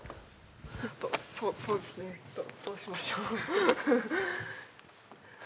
そうですねどうしましょう。